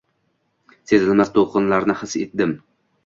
Sezilmas to’lqinlarni his etdim.